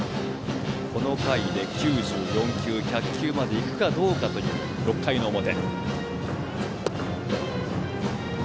この回で９４球１００球までいくかどうかという６回の表。